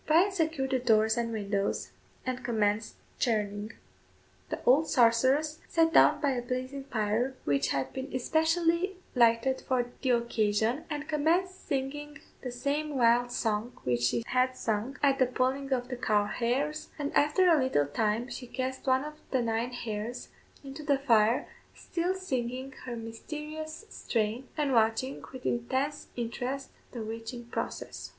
Bryan secured the doors and windows, and commenced churning. The old sorceress sat down by a blazing fire which had been specially lighted for the occasion, and commenced singing the same wild song which she had sung at the pulling of the cow hairs, and after a little time she cast one of the nine hairs into the fire, still singing her mysterious strain, and watching, with intense interest, the witching process.